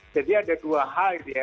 jadi ada dua hal gitu ya